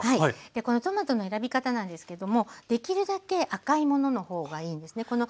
このトマトの選び方なんですけどもできるだけ赤いものの方がいいんですね。